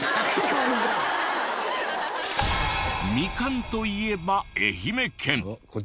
ミカンといえば愛媛県。